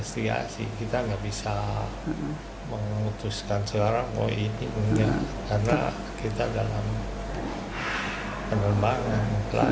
tidak bisa mengutuskan seorang oh ini ini karena kita dalam penerbangan